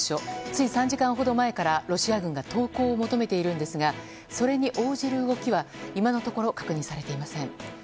つい３時間ほど前からロシア軍が投降を求めているんですがそれに応じる動きは今のところ確認されていません。